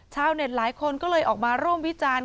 ชาวเน็ตหลายคนก็เลยออกมาร่วมวิจารณ์